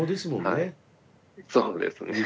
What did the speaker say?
はいそうですね。